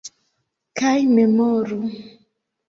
Kaj memoru!